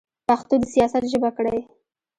پښتو د سیاست ژبه کړئ.